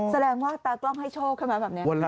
แสดงว่าตากล้องให้โชคใช่ไหมแบบนี้